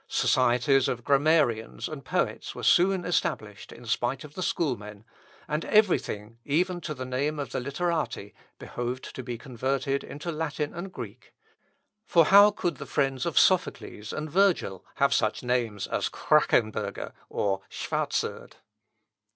Societies of grammarians and poets were soon established in spite of the schoolmen, and every thing, even to the name of the Literati, behoved to be converted into Latin and Greek; for how could the friends of Sophocles and Virgil have such names as Krachenberger or Schwarzerd?